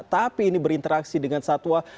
tapi ini berinteraksi dengan satwa